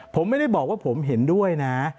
ผมไม่ได้บอกว่าผมเห็นด้วยนะ